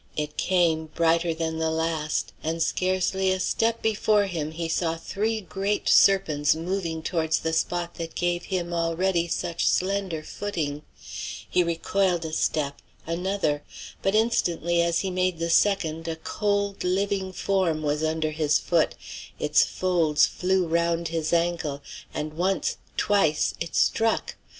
It came, brighter than the last; and scarcely a step before him he saw three great serpents moving towards the spot that gave him already such slender footing. He recoiled a step another; but instantly as he made the second a cold, living form was under his foot, its folds flew round his ankle, and once! twice! it struck!